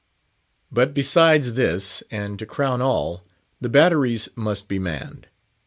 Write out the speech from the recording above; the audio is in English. But besides this, and to crown all, the batteries must be manned.